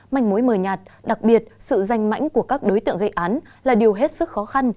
manh mối mờ nhạt đặc biệt sự danh mãnh của các đối tượng gây án là điều hết sức khó khăn